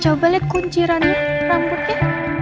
coba lihat kuncirannya rambutnya